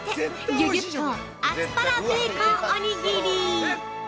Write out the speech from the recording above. ぎゅぎゅっとアスパラベーコンおにぎり。